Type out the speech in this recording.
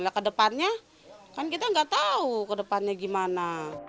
lah kedepannya kan kita nggak tahu kedepannya gimana